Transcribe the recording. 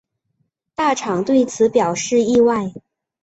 大场对此表示意外。